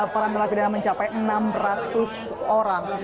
para narapidana mencapai enam ratus orang